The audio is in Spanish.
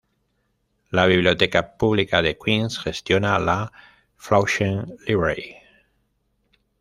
La Biblioteca Pública de Queens gestiona la "Flushing Library".